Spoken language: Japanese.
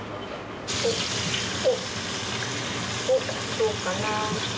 どうかな？